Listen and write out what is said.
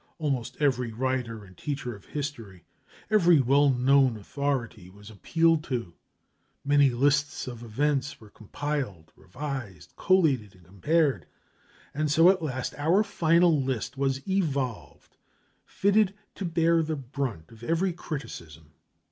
Almost every writer and teacher of history, every well known authority, was appealed to; many lists of events were compiled, revised, collated, and compared; and so at last our final list was evolved, fitted to bear the brunt of every criticism.